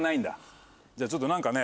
じゃあちょっと何かね。